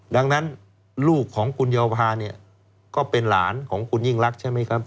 ดังนั้นลูกของคุณเยาวภาเนี่ยก็เป็นหลานของคุณยิ่งรักใช่ไหมครับ